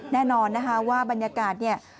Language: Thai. แน่นอนนะคะว่าบรรยากาศเนี่ย